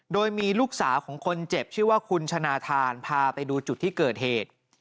โดยมีลูกสาวของคนเจ็บชื่อว่าคุณชนะทานพาไปดูจุดที่เกิดเหตุ